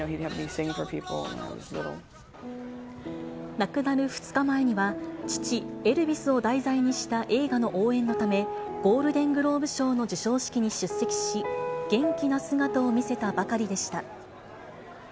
亡くなる２日前には、父、エルヴィスを題材にした映画の応援のため、ゴールデングローブ賞の授賞式に出席し、元気な姿を見せたばかりでした。